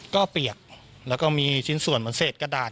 ก็เปียกแล้วก็มีชิ้นส่วนเหมือนเศษกระดาษ